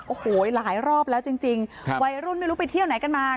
โอ้โหหลายรอบแล้วจริงวัยรุ่นไม่รู้ไปเที่ยวไหนกันมา